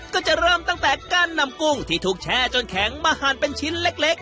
ก็จะเริ่มตั้งแต่การนำกุ้งที่ถูกแช่จนแข็งมาหั่นเป็นชิ้นเล็ก